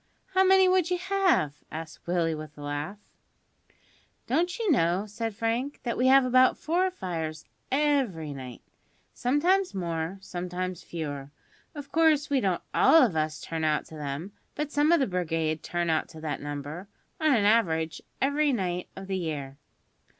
How many would you have?" asked Willie with a laugh. "Don't you know," said Frank, "that we have about four fires every night? Sometimes more, sometimes fewer. Of course, we don't all of us turn out to them; but some of the brigade turn out to that number, on an average, every night of the year."